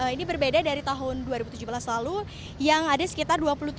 ini berbeda dari tahun dua ribu tujuh belas lalu yang ada sekitar dua puluh tujuh